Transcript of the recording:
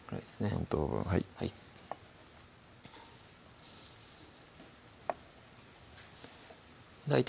４等分はい大体